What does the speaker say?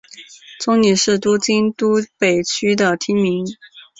中里是东京都北区的町名。